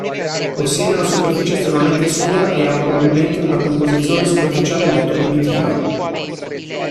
Possiede una superficie estremamente scura e ha probabilmente una composizione superficiale molto primitiva.